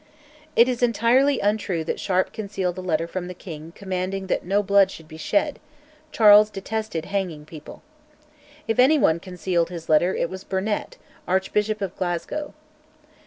It is entirely untrue that Sharp concealed a letter from the king commanding that no blood should be shed (Charles detested hanging people). If any one concealed his letter, it was Burnet, Archbishop of Glasgow.